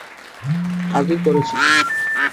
আগেই করেছি তো।